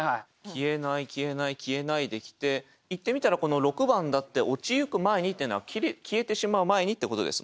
「消えない」「消えない」「消えない」で来て言ってみたらこの６番だって「堕ちゆく前に」っていうのは「消えてしまう前に」ってことですもんね。